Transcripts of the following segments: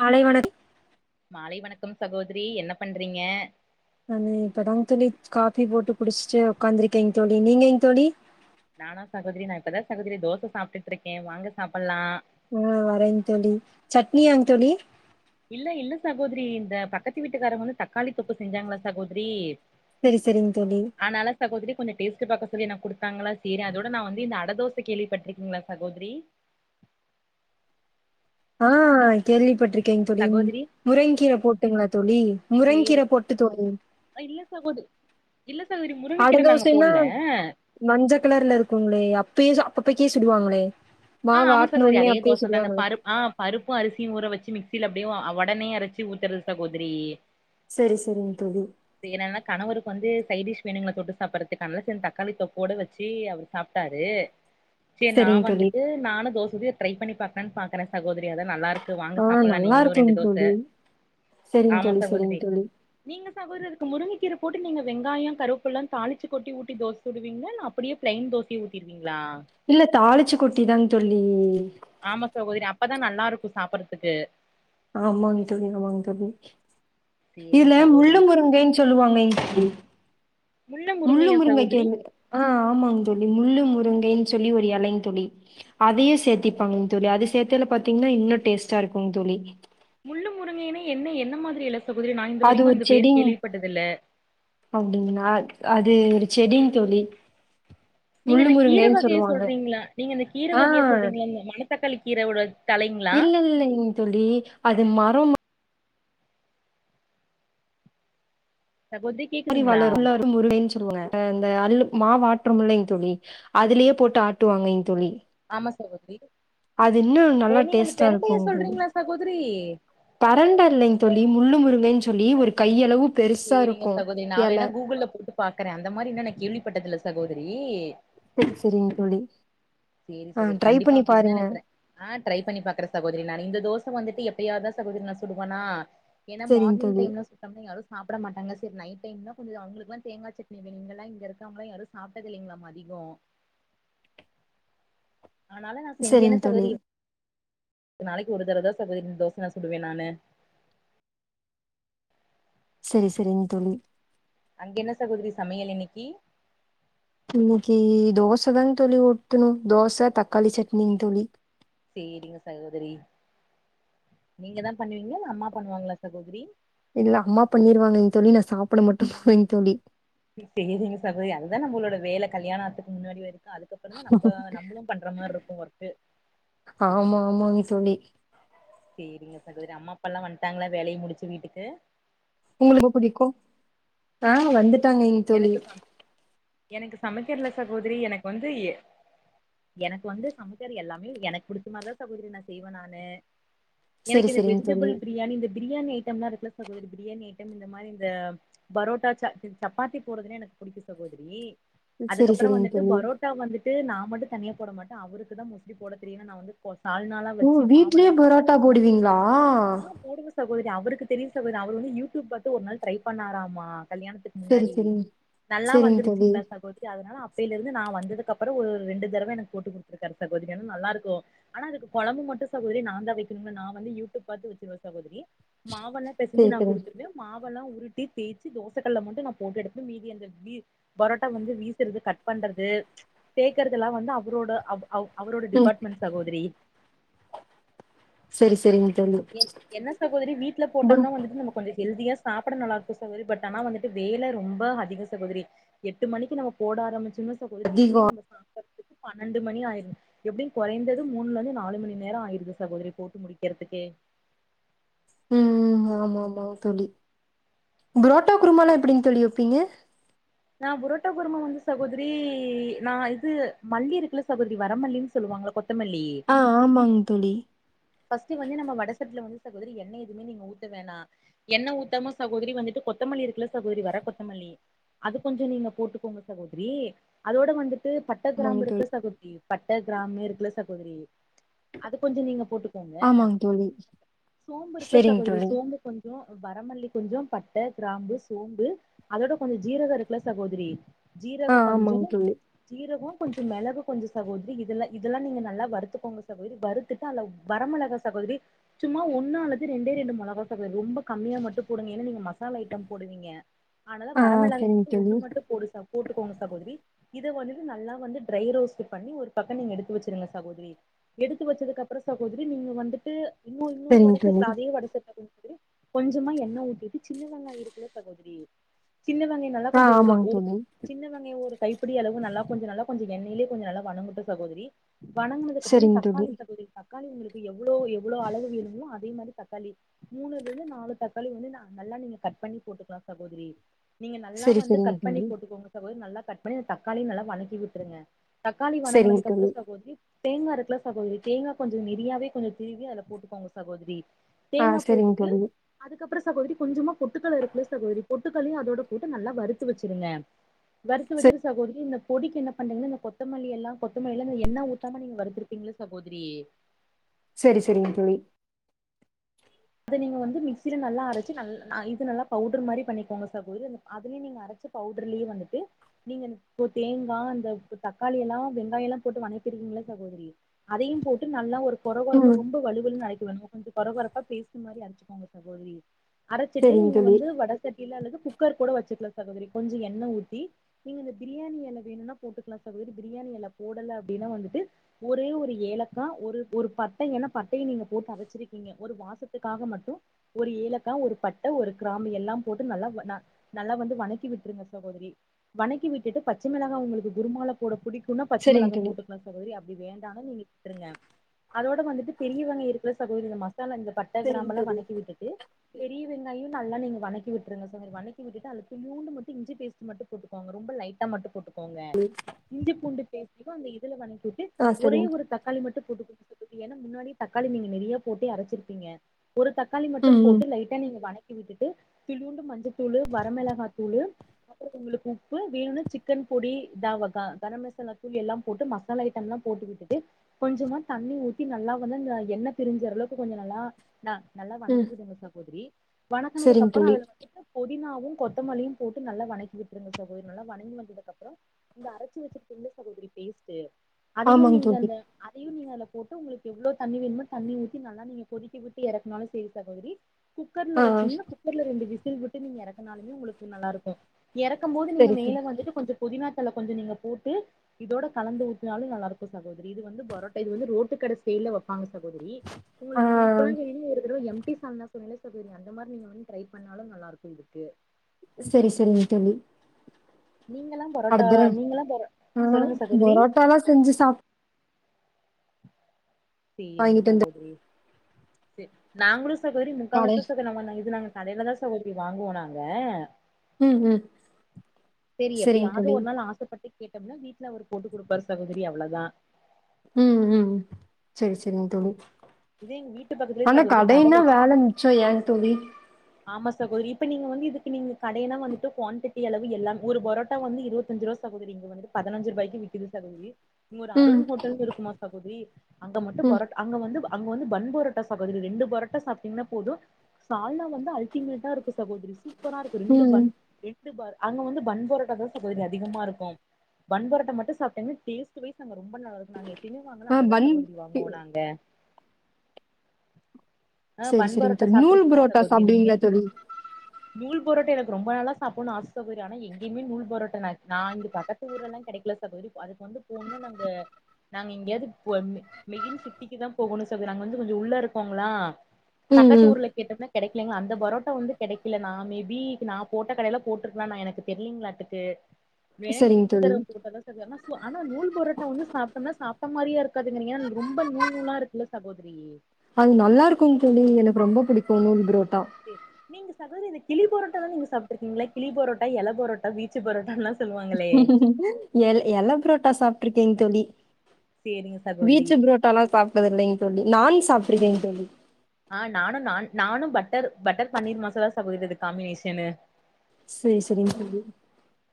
மாலை வணக் மாலை வணக்கம் சகோதிரி என்ன பண்றீங்க நானு இப்பதா தோழி காபி போட்டு குடிச்ட்டு உக்காந்துருக்கேங் தோழி நீங்கேங் தோழி நானா சகோதிரி நா இப்பதா சகோதிரி தோச சாப்ட்டுட்டுருக்க வாங்க சாப்பல்லா அ வரேங் தோழி சட்னியாங் தோழி இல்ல இல்ல சகோதிரி இந்த பக்கத்து வீட்டுக்காரங்க வந்து தக்காளி தொக்கு செஞ்சாங்களா சகோதரி சரி சரிங் தோழி அதனால சகோதரி கொஞ்சோ டேஸ்ட் பாக்க சொல்லி நா குடுத்தாங்களா சரி அதோட நா வந்து இந்த அட தோச கேள்விப்பட்ருக்கீங்களா சகோதிரி ஆ கேள்விப்பட்டிருக்கேங் தோழி சகோதரி முரங்கீர போட்டுங்ளா தோழி முரங்கீர சேரி போட்டு தோழி இல்ல சகோத இல்ல சகோதரி அட முருங்ககீர நாங்க தோசைன்னா போட்ல மஞ்ச கலர்ல இருக்குங்களே அப்பயே அப்பப்பகே சுடுவாங்களே அ மாவு ஆமா ஆட்ன சகோதரி ஒன்னே அதே அப்பயே தோச தான சுடுவாங்களே பருப் ஆ பருப்பு அரிசியு ஊற வச்சு மிக்சியில அப்டேவு அ ஒடனே அரச்சு ஊத்துறது சகோதிரி சரி சரிங் தோழி சினனா கணவருக்கு வந்து சைடிஷ் வேணுங்களா தொட்டு சாப்படறதுக்கு அதனால சேரி தக்காளி தொக்கோட வச்சு அவரு சாப்ட்டாரு சேர் நா செரிங் தோழி வந்துட்டு நானு தோசைக்கு ட்ரை பண்ணி பாக்கலான்னு பாக்கற சகோதரி அதா நல்லா இருக்கு வாங்க ஆ சாப்பல்லா நல்லா நீங்களு இருக்குங் ரெண்டு தோச தோழி செரிங் ஆமா தோழி செரிங் சகோதிரி தோழி நீங்க சகோரர்க்கு முருங்க கீர போட்டு நீங்க வெங்காயோ கருவபுள்ள தாளிச்சு கொட்டி ஊட்டி தோச சுடுவீங்ளா இல்ல அப்டியே பிளைன் தோசைய ஊத்திருவிங்களா இல்ல தாளிச்சு கொட்டிதாங் தோழி ஆமா சகோதரி அப்பதா நல்லா இருக்கும் சாப்பறதுக்கு ஆமாங் தோழி ஆமாங்க தோழி சேரிங்க இதுல முள்ளு சகோதரி முருங்கைன்னு சொல்லுவாங்க முள்ளு முருங்கையா முருங்கை கே சகோதரி அ ஆமாங்க தோழி முள்ளு முருங்கைன்னு சொல்லி ஒரு எலைங் தோழி அதையு சேத்திப்பாங்க தோழி அத சேத்தயில பாத்திங்கன்னா இன்னு டேஸ்ட்டா இருக்கும் தோழி முள்ளு முருங்கையன்ன என்ன என்ன மாதிரி எல சகோதரி நா இது அது வரைக்கு அந்த பேரு கேள்விப்பட்டதில்ல அப்டிங்களா அது ஒரு செடிங் தோழி நீங்க முள்ளு இந்த கீர முருங்கைன்னு வகைய சொல்லுவாங்க சொல்றீங்ளா நீங்க இந்த கீர ஆ வகைய சொல்றீங்ளா இந்த மணத்தக்காளி கீரையோட தழைங்ளா இல்ல இல்லைங்க தோழி அது மரம் மா சகோதிக் மாதி வளரு முள்ள அருக்கு முருங்கைனு சொல்லுவாங்க அ இந்த அருப் மாவாட்ரோமில்லங்க தோழி அதுலயே போட்டு ஆட்டுவாங்கைங்க தோழி ஆமா சகோதரி அது இன்னும் ஓ நல்லா நீங்க அந்த டேஸ்ட்டா பெரண்டைய சொல்றீங்ளா சகோதரி பெரண்ட இல்லைங் தோழி முள்ளு முருங்கைன்னு சொல்லி ஒரு கையளவு பெருசா சேரிங்க இருக்கு சகோதரி நா எல வேணா கூகுள்ல போட்டு பாக்கற அந்த மாரி இன்னு நா கேள்விப்பட்டது இல்ல சகோதரி சேரி சேரிங்க தோழி சேரி ஆ சகோதரி ட்ரை கண்டிப்பா பண்ணி அப்டி இருந்தா பாருங்க நட்ரே அ ட்ரை பண்ணி பாக்குற சகோதரி நானு இந்த தோச வந்துட்டு எப்பயாது தா சகோதரி நா சுடுவேனா ஏன்னா செரிங்க தோழி மார்னிங்டைம்ல சுட் தம்பிங்க யாரு சாப்ட மாட்டாங்க சேரி நைட் டைம்ன கொஞ்சோ அவுங்களுக்லா தேங்கா சட்னி வேணுங்க இங்கல்லா இங்க இருக்கறவங்கல்லா யாரு சாப்டது இல்லைங்ளாமா அதிகோ ஆனாலு நா செஞ்சேனே செரிங்க தோழி சகோதரி ஒரு நாளைக்கு ஒரு தரவ தா சகோதரி இந்த தோச சுடுவே நானு சேரி சேரிங்க தோழி அங்க என்ன சகோதரி சமையல் இனைக்கி இன்னிக்கி தோச தாங்க தோழி ஊத்தணு தோச தக்காளி சட்னிங்க தோழி சேரிங்க சகோதரி நீங்க தா பண்ணுவீங்ளா அம்மா பண்ணுவாங்ளா சகோதரி இல்ல அம்மா பண்ணிருவாங்கங்க தோழி நா சாப்பிட மட்டும் போவேங்க தோழி சேரிங்க சசோதரி அதுதா நம்மளோட வேல கல்யாண ஆவர்த்துக்கு முன்னாடி வரை அதுக்கப்புறம் தா நம்ப நம்மளும் பண்ற மாதிரி இருக்கு ஒர்க் ஆமா ஆமாங்க தோழி சேரிங்க சகோதரி அம்மா அப்பால்லா வந்துட்டாங்ளா வேலைய முடிச்சி வீட்டுக்கு உங்களுக்கு புடிக்கு ஆ வந்துட் எனக்கு சம் எனக்கு சமைக்கிறதுல சகோதரி எனக்கு வந்து எ எனக்கு வந்து சமைக்கற எல்லாமே எனக்கு புடிச்ச மாரிதா சகோதரி நா செய்வே நானு செரி எனக்கு இந்த செரிங்க தோழி வெஜிடபிள் பிரியாணி இந்த பிரியாணி ஐட்டம்லாம் இருக்குல சகோதரி பிரியாணி ஐட்டம் இந்த மாரி இந்த பரோட்டா சால் சப்பாத்தி போட்றதுனா எனக்கு புடிக்கோ சகோதரி செரி அதுக்கப்புறம் செரிங்க வந்துட்டு தோழி பரோட் ட்டா வந்துட்டு நா மட்டு தனியா போட மாட்டே அவருக்கு தா மோஸ்லி போட தெரியு நா வந்து போ சால்னாலா ஓ வச்சு வீட்லயே மாவெல்லா பரோட்டா போடுவீங்ளா போடுவோ சகோதரி அவருக்கு தெரியு சகோதரி அவர் வந்து யூடியூப் பாத்து ஒரு நாள் ட்ரை பண்ணாராமா கல்யாணத்துக்கு செரி முன்னாடி செரிங்க நல்லா செரிங்க தோழி வந்துருச்சுங்ளா சகோதரி அதனால அப்பேலருந்து நா வந்ததுக்கு அப்பறம் ஒரு ரெண்டு தடவ எனக்கு போட்டு குடுத்துருக்காரு சகோதரி ம் நல்லா இருக்கு ஆனா அதுக்கு கொழம்பு மட்டு சகோதரி நா தா வெக்கணும்னு நா வந்து யூடியூப் பாத்து வெச்சிருவே சகோதரி மாவெல்லா பெசைஞ்சி செரி நா செரிங்க குடுத்துடுவே மாவெல்லா உருட்டி தேய்சி தோசக்கல்லுல மட்டு டு நா போட்டு எடுத்து மீதி அந்த வி பரோட்டா வந்து வீசறது கட் பண்றது தேய்கறதெல்லா வந்து அவரோட அவ் அவ் அவரோட ம் டிபார்ட்மெண்ட் சகோதரி சேரி சேரிங்க தோழி என் என்ன சகோதரி வீட்ல ப்ரோ போட்டோம்னா வந்துட்டு நமக் கொஞ்சோ ஹெல்தியா சாப்பிட நல்லாருக்கு சகோதரி பட் ஆனா வந்துட்டு வேலை ரொம்ப அதிகோ சகோதரி எட்டு மணிக்கு நம்ம போட ஆரம்பிச்சோனா சகோதரி அதிகோ எப்படியு நம்ம சாப்பறதுக்கு பன்னெண்டு மணி ஆயிரு எப்டியு கொறைந்தது மூண்லந்து நாலு மணி நேரோ ஆயிருது சகோதரி போட்டு முடிக்கிறதுக்கே ம் ஆமாமா தோழி புரோட்டா குருமாலா எப்டிங் தோழி வெப்பீங்க நா புரோட்டா குருமா வந்து சகோதரி நா இது மல்லி இருக்குல சகோதரி வரமல்லின்னு சொல்லுவாங்கள கொத் தமல்லி ஆ ஆமாங் தோழி ஃபஸ்ட்டு வந்து நம்ம வட சட்ல வந்து சகோதரி என்ன எதுமே நீங்க ஊத்த வேணா என்ன ஊத்தாம சகோதரி வந்துட்டு கொத்தமல்லி இருக்குல சகோதரி வர கொத்தமல்லி அது கொஞ்சோ நீங்க போட்டுக்கோங்க சகோதரி அதோட வந்துட்டு ப ட்ட ஆமாங்க கிராம்பு தோழி இருக்குல சகோதரி பட்ட கிராம்மு இருக்குல சகோதரி அது கொஞ்சோ நீங்க போட்டு க்கோங்க ஆமாங்க தோழி சோம்பு இருக்குல செரிங்க சகோதரி தோழி சோம்பு கொஞ் சோ வரமல்லி கொஞ்சோ பட்ட கிராம்பு சோம்பு அதோட கொஞ்சோ ஜீரக இருக்குல சகோதரி ஆ ஜீரக கொஞ்சோ ஆமாங்க தோழி ஜீரகோ கொஞ்சோ மிளகு கொஞ்சோ சகோதரி இதெல்லா இதெல்லா நீங்க நல்லா வறுத்துக்கோங்க சகோதரி வறுத்துட்டு அதுல வரமிளகா சகோதரி சும்மா ஒன்னா அல்லது ரெண்டே ரெண்டு மொளகா சகோதரி ரொம்ப கம்மியா மட்டு போடுங்க ஏன்னா நீங்க மசாலா ஐட்டம் போடுவீங்க ஆனால ஆ செரிங்க வரமிளகாய்க்கு ஒண்ணு தோழி மட்டு போடு ச போட்டுக்கோங்க சகோதரி இத வந்துட்டு நல்லா வந்து ட்ரை ரோஸ்ட்டு பண்ணி ஒரு பக்கோ நீங்க எடுத்து வச்சுருங்க சகோதரி எடுத்து வச்சதுக்கு அப்பறோ சகோதரி நீங்க வந்துட்டு இன்னு இன்னொரு செரிங்க வட தோழி சட்ல அதே வட சட்ல [inaudible] கொஞ்சமா எண்ணெ ஊத்திட்டு சின்ன வெங்காய இருக்குல சகோதரி சின்ன வெங் நல்லா ஆ கொஞ்சோ ஒருக் ஆமாங்க ஒருக் தோழி சின்ன வெங்காயோ ஒரு கைப் பிடி அளவு நல்லா கொஞ்சோ நல்லா கொஞ்சோ எண்ணெயில கொஞ்சோ நல்லா வணங்கட்டு சகோதரி வணங்குனதுக்கு அப்றோ செரிங்க தக்காளி தோழி சகோதரி தக்காளி உங்களுக்கு எவ்ளோ எவ்ளோ அளவு வேணுமோ அதே மாரி தக்காளி மூணுல இருந்து நாலு தக்காளி வந்து ந நல்லா நீங்க கட் பண்ணி போட்டுக்லா சகோதரி நீங்க நல்லா செரி வந்து செரிங்க கட் பண்ணி தோழி போட்டுக்கோங்க சகோத்ரி நல்லா கட் பண்ணி தக்காளியு நல்லா வணக்கி விட்ருங்க தக்காளி செரிங்க வணங்கனதுக்கு அப்றோ தோழி சகோதரி தேங்கா இருக்குல சகோதரி தேங்கா கொஞ்சோ நெறியாவே கொஞ்சோ திருவி அதுல போட்டுக்கோங்க சகோதரி ஆ தேங்கா செரிங்க போட்டுட்டு தோழி அதுக்கப்றோ சகோதரி கொஞ்சமா பொட்டுக்கல்ல இருக்குல சகோதரி பொட்டுக்கல்லயு அதோட போட்டு நல்லா வறுத்து வச்சுருங்க வறுத்து செ வச்சிரு சகோதரி இந்த பொடிக் என்ன பண்றீங்னா இந்த கொத்தமல்லி எல்லா கொத்தமல்லில அந்த எண்ணெ ஊத்தாம நீங்க வறுத்துருக்கீங்கள சகோதரி செரி செரிங் தோழி அத நீங்க வந்து மிக்சில நல்லா அரைச்சு நல் இது நல்லா பவுடர் மாரி பண்ணிக்கோங்க சகோதரி அ அதுலியு நீங்க அரைச்சு பவுடர்லயே வந்துட்டு நீங்க இப்போ தேங்கா அந்த த தக்காளி எல்லா வெங்காய எல்லா போட்டு வணக்கிடுவிங்ல சகோதரி அதையும் போட்டு நல்லா ஒரு கொற கொறப்ப ம் ரொம்ப வழுவழுன்னு அரைக்க வேணா கொஞ்சோ கொற கொறப்பா பேஸ்ட்டு மாரி அரச்சுக்கோங்க சகோதரி அரைச்சுட்டு செரிங்க நீங்க தோழி வந்து வட சட்டில அல்லது குக்கர் கூட வச்சுக்லா சகோதரி கொஞ்சோ எண்ணெ ஊத்தி நீங்க இந்த பிரியாணி எல வேணுனா போட்டுக்லா சகோதரி பிரியாணி எல போடல அப்டின்னா வந்துட்டு ஒரே ஒரு ஏலக்கா ஒரு ஒரு பட்ட ஏன்னா பட்டய நீங்க போட்டு அரச்சிருக்கீங்க ஒரு வாச த்துக்காக மட்டு ஒரு ஏலக்காய் ஒரு பட்ட ஒரு கிராம்பு எல்லா போட்டு நல்லா வ ந நல்லா வந்து வணக்கி விட்ருங்க சகோதரி வணக்கி விட்டுட்டு பச்ச மிளகா உங்ளுக்கு குருமால போட பிடிக்குன்னா பச்ச செரிங்க மிளகா தோழி போட்டுக்லா சகோதரி அப்டி வேண்டானா நீங்க விட்ருங்க அதோட வந்துட்டு பெரிய வெங்காயோ இருக்குல சகோதரி இந்த மசாலா இந்த பட் ட செரிங்க கிராம்பெல்லா தோழி வணக்கி விட்டுட்டு பெரிய வெங்காய நல்லா நீங்க வணக்கி விட்டுருங்க சகோதரி வணக்கி விட்டுட்டு அதுல கொஞ்சோனு மட்டு இஞ்சி பேஸ்ட் டு மட்டு போட்டுக்கோங்க ரொம்ப லைட்டா மட்டு போட்டுக் கோங்க இஞ்சி பூண்டு பேஸ்ட்டுக்கு அந்த இதுல வணக்கிட்டு ஆ ஒரே செரிங்க ஒரு தக்காளி மட்டு போட்டுக்கோங்க ஏனா முன்னாடி தக்காளி நீங்க நிறைய போட்டு அரைச்சிருப்பீங்க ஒரு தக்காளி மட்டு ம் ம் போட்டு லைட்டா நீங்க வணக் கி விட்டுட்டு துளியுண்டு மஞ்சத்தூளு வரமிளகா தூளு அப்புறோ உங்களுக்கு உப்பு வேணுனா சிக்கன் பொடி இத வக கரம் மசாலா தூள் எல்லா போட்டு மசா லா ஐட்டம் எல்லா போட்டு விட்டுட்டு கொஞ்சமா தண்ணி ஊத்தி நல்லா வந்து அந்த எண்ணெய் பிரிஞ்ச வர அளவுக்கு கொஞ்ச நல்லா ந நல்லா ம் வணக்கி விடுங்க சகோதரி வணக்கனதுக்கு செரிங்க அப்புறோ தோழி அதுல வந்துட்டு புதினாவு கொத்தமல்லியு போட்டு நல்லா வணக்கி விட்டுருங்க சகோதரி நல்லா வணங்கி வந்ததுக்கு அப்புறோ இந்த அரைச்சு வச்சு சிங்கல்ல சகோதரி பேஸ்ட்டு அதையு ஆமாங்க நீங்க தோழி அந்த அதையு நீங்க அதுல போட்டு உங்களுக்கு எவ்ளோ தண்ணி வேணுமோ தண்ணி ஊத்தி நல்லா நீங்க கொதிக்க விட் டு இறக்குனாலு செரி சகோதிரி குக்கர்ல ஆ வச்சிங்கன்னா குக் கர்ல ரெண்டு விசில் விட்டு நீங்க இறக்கனாலுமே உங்களுக்கு நல்லா இருக்கு இறக்கும் போது நீங்க செரி செரி மேல வந்துட்டு கொஞ்ச புதினாத்தலை கொஞ்ச நீங்க போட்டு இதோட கலந்து ஊத்துனாலு நல்லா இருக்கு சகோதரி இது வந்து பரோட்டா இது வந்து ரோட்டு கட ஸ்டைல்ல வெப்பாங்க சகோதரி ஆ உங்களுக்கு சி ஒரு தடவ எம்டி சால்னா சொன்னேல சகோதரி அந்த மாரி நீங்க வந்து ட்ரை பண்ணாலு நல்லா இருக்கு இதுக்கு செரி செரிங்க தோழி நீங்கல்லா பரோட்டா அடுத்த நீங்கல்லா பரோ சொல்லுங்க சகோதிரி ட்டாதா செஞ்சு சாப் சேரிங்க வாங்கிட்டு வந்து சகோதரி செரி நாங்களு சகோதரி கடை முக்காவாசிதா சகோ இது நாங்க கடைல தா சகோதிரி வாங்குவோ நாங்க ம் ம் செரி சரிங்க எப்யாவது தோழி ஒரு நாள் ஆசைப்பட்டு கேட் கேட்டம்னா வீட்ல அவரு போட்டு குடுப்பாரு சகோதரி அவ்ளதா ம் ம் செரி செரிங்க தோழி இதே எங்க வீட்டு பக்கத்துலயே ஆனா சகோதரி கட கடைன்னா வச்சு வேல மிச்சோ ஏங் தோழி ஆமா சகோதரி இப்ப நீங்க வந்து இதுக்கு நீங்க கடையனா வந்துட்டு குவாண்டட்டி அளவு எல்லா ஒரு பரோட்டா வந்து இருவத்தஞ்சு ரூபா சகோதரி இங்க வந்து பதினஞ்சு ரூபாய்க்கு விக்குது சகோதரி இங்க ஒரு ம் அருண் ஹோட்டல்னு இருக்குமா சகோதிரி அங்க மட்டு ம் பரோட்டா அங்க வந்து அங்க வந்து பன் பரோட்டா சகோதிரி ரெண்டு பரோட்டா சாப்ட்டீங்கன்னா போது சால்னா வந்து அல்ட்டிமேட்டா இருக்கு சகோதரி சூப்பரா இருக்கு ரெண்டு ம் பன் ரெண்டு பர் அங்க வந்து பன் பரோட்டா தா சகோதரி அதிகமா இருக்கு பன் பரோட்டா மட்டு சாப்ட்டிங்கனா டேஸ்ட்டு வைஸ் அங்க ரொம்ப நல்லாருக்கு நாங்க எப்பயுமே வாங்குனா ஆ அங்கதா பன் சகோதரி வாங்குவோ நாங்க ஆ சரி பன் சரிங்க பரோட்டா தோழி நூல் சாப்ட்டுருக்கீங்களா புரோட்டா சகோதிரி நீங்க சாப்டுவீங்களா தோழி நூல் புரோட்டா எனக்கு ரொம்ப நாளா சாப்பினு ஆசை சகோதரி ஆனா எங்கயுமே நூல் புரோட்டா நா இங்க பக்க எங்க ஊர்லெல்லா கெடைக்கல சகோதரி அதுக்கு வந்து போணுனா நாங்க நாங்க எங்கேயாவது போ மெ மெயின் சிட்டிக்கு தா போகணு சகோதரி நாங்க வந்து கொஞ்ச உள்ள இருக்கோங்களா ம் பக்கத்து ம் ஊர்ல கேட்டப்ப கெடைக்கலங்க அந்த பரோட்டா வந்து கெடைக்கல நா மேபி இப்ப நா போட்ட கடைல போட்ருக்கலா நா எனக்கு தெரியலங்களாட்டுக்கு வேணா சரிங்க நெக்ஸ்ட் தோழி தரவ குடுக்குறனா சொல்லுங்க ஆனா நூல் புரோட்டா வந்து சாப்பிட்டோனா சாப்ட்ட மாரியா இருக்காதுங்கிறீங்க ரொம்ப நூல் நூலா இருக்குல்ல சகோதரி அது நல்லா இருக்குங் தோழி எனக்கு ரொம்ப புடிக்கு நூல் புரோட்டா நீங்க சகோதரி இந்த கிளி பொரோட்டாலா நீங்க சாப்ட்ருக்கீங்களா கிளி பொரோட்டா எல பொரோட் டா வீச்சு பொரோட்டான்லா சொல்லுவாங்களே எல் எல புரோட்டா சாப்ட்டுருக்கேங் தோழி சேரிங்க சகோதரி வீச்சு புரோட்டால்லா சாப் ட்டதில்லைங் தோழி நான் சாப்ட்ருக்கேங் தோழி ஆ நானு நான் நானு பட்டர் பட்டர் பன்னீர் மசாலா சாப்புடுறது காம்பினேஷனு சேரி செரிங் தோழி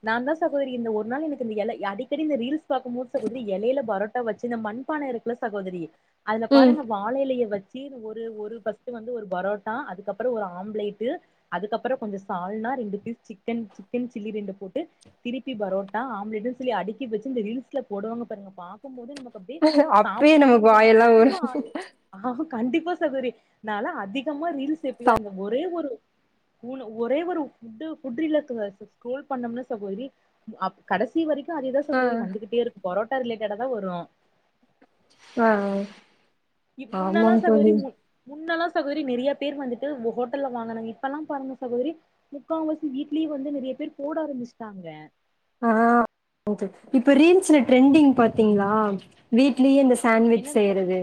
நா தா சகோதரி இந்த ஒர் நாள் எனக் இந்த எல ய அடிக்கடி இந்த ரீல்ஸ் பாக்கும்போது சகோதரி எலைல பரோட் டா வச்சு இந்த மண்பானை இருக்குல்ல சகோதரி அதுல ம் பாருங்க வாழ எலைய வச்சி ஒரு ஒரு ஃபஸ்ட்டு வந்து ஒரு பரோட்டா அதுக்கப்றோ ஒரு ஆம்லேட்டு் அதுக்கப்பறோ கொஞ்ச சால்னா ரெண்டு பீஸ் சிக்கன் சிக்கன் சில்லி ரெண்டு போட்டு திருப்பி பரோட்டா ஆம்லேட்டுன் சொல்லி அடுக்கி வச்சு இந்த ரீல்ஸ்ல போடுவாங்க பாருங்க பா க்கும்போது நமக் அப்டே அப்பயே நமக்கு சாப்பட்றோங்கற மாரி வாயெல்லா ரொம்போ ஊரும் ஆ ஆ கண்டிப்பா சகோதரி நாலா அதிகமா ரீல்ஸ் எப்பயா அந்த ஒரே ஒரு உணவ் ஒரே ஒரு ஃபுட்டு ஃபுட் ரீல்லார்க்றத ஸ ஸ்க்ரோல் பண்ணம்னா சகோதரி அப் கடைசி வரைக்கு அதேதா ஆ சகோதரி வந்துகிட்டே இருக்கு பொரோட்டா ரிலேட்டடா தா வரு ஆ ஆ இ முன்னெல்லா சகோதரி முன் முன்னெல்லா சகோதரி நெறைய பேர் வந்துட்டு ஓ ஹோட்டல்ல வாங்குனாங்க இப்பெல்லா பாருங்க சகோதரி முக்காவாசி வீட்லயே வந்து நெறைய பேர் போட ஆரம்பிஸ்ட்டாங்க ஆ [unintelligible] இப்ப ரீல்ஸ்ல அ- ட்ரெண்டிங் அ- பாத்தீங்ளா வீட்லயே இந்த சாண்விச் என்னது ச- செய்யறது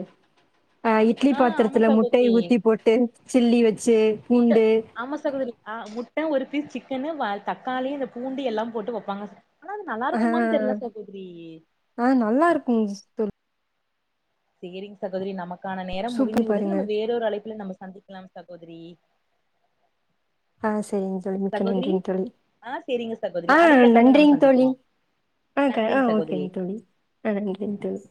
அ இட்லி ஆ ஆமா பாத்தரத்துல சகோதரி முட்டைய ஊத்தி போட்டு சில்லி வெச்சு முட்ட பூண்டு ஆமா சகோதரி ஆ முட்ட ஒரு பீஸ் சிக்கனு வ தக்காளி இந்த பூண்டு எல்லா போட்டு வப்பாங்க ஆனா அது ஆ நல்லாருக்குமான் தெர்ல சகோதரி ஆ நல்லாருக்குங் சிஸ்டர் சேரிங் சகோதரி நமக்கான நேரம் முடிந்து சூப்பர் விட்டது பாருங்க நம்ம வேறொரு அழைப்புல நம்ம சந்திக்கலாம் சகோதரி ஆ சேரிங்க தோழி மிக்க சகோதரி நன்றிங் தோழி ஆ சேரிங்க சகோதரி ஆ அடுத்த கால்ல நம்ம நன்றிங் தோழி சந்திக்கலாம் ஆ க ஆ நன்றிங் சகோதரி ஓகேங் தோழி ஆ நன்றிங் தோழி